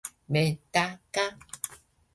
めだか